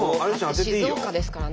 静岡ですからね。